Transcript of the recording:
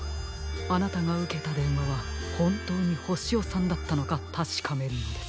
あなたがうけたでんわはほんとうにホシヨさんだったのかたしかめるのです。